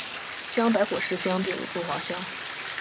将白果市乡并入凤凰乡。